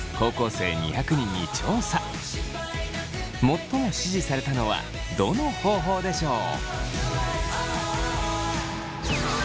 最も支持されたのはどの方法でしょう？